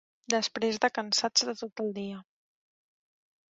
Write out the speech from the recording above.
Després de cansats de tot el dia